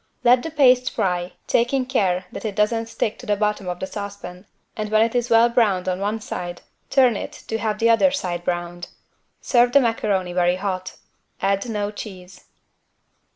Let the paste fry, taking care that it doesn't stick to the bottom of the saucepan, and when it is well browned on one side, turn it to have the other side browned. Serve the macaroni very hot. Add no cheese.